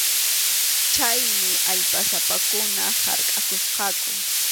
Chaymi allpasapakuna harkʼakusqaku.